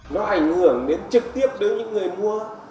nó ảnh hưởng đến trực tiếp đối với những người mua